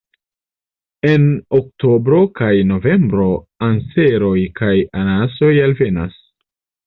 En oktobro kaj novembro anseroj kaj anasoj alvenas.